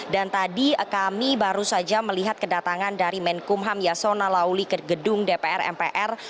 dan tadi kami baru saja melihat kedatangan dari menkumham yasona lauli ke gedung dpr mpr